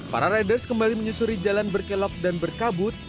para riders kembali menyusuri jalan berkelok dan berkabut